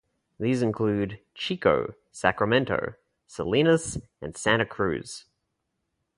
These include: Chico, Sacramento, Salinas, and Santa Cruz.